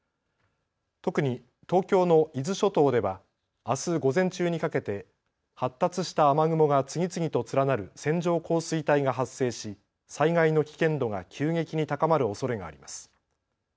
特に東京の伊豆諸島ではあす午前中にかけて発達した雨雲が次々と連なる線状降水帯が発生し災害の危険度が急激に高まるおそれがあります。